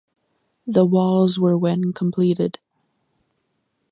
The walls were when completed.